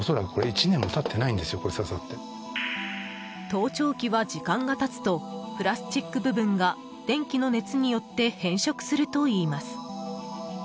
盗聴器は時間が経つとプラスチック部分が電気の熱によって変色するといいます。